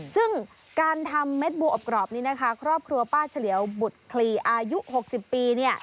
ซึ่งการทำเม็ดบัวอบกรอบนี้นะคะครอบครัวป้าเฉลียวบุตรคลีอายุ๖๐ปี